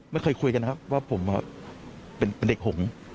ไม่เคยคุยกันนะครับว่าผมเป็นเด็กหง